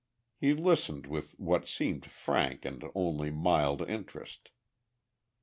He listened with what seemed frank and only mild interest.